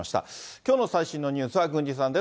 きょうの最新のニュースは郡司さんです。